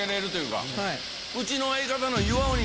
うちの相方の。